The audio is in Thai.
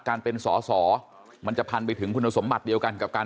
การเป็นสอสอมันจะพันไปถึงคุณสมบัติเดียวกันกับการ